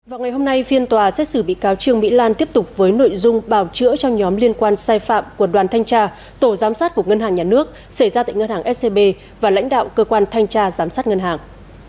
vào ngày hôm nay phiên tòa xét xử bị cáo trương mỹ lan tiếp tục với nội dung bào chữa cho nhóm liên quan sai phạm của đoàn thanh tra tổ giám sát của ngân hàng nhà nước xảy ra tại ngân hàng scb và lãnh đạo cơ quan thanh tra giám sát ngân hàng